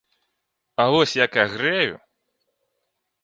А вось як агрэю!